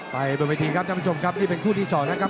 ไปบนวิธีครับท่านผู้ชมครับนี่เป็นคู่ที่๒ครับ